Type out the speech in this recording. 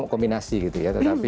ya itu kombinasi gitu ya tetapi